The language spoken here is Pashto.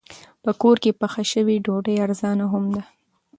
په کور کې پخه شوې ډوډۍ ارزانه هم ده.